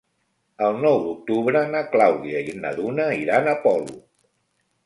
El nou d'octubre na Clàudia i na Duna iran a Polop.